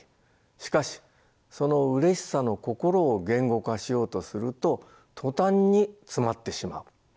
しかしそのうれしさの心を言語化しようとすると途端に詰まってしまう。